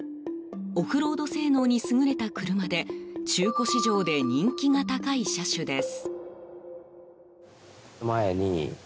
オフロード性能に優れた車で中古市場で人気が高い車種です。